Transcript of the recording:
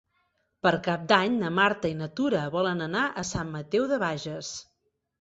Per Cap d'Any na Marta i na Tura volen anar a Sant Mateu de Bages.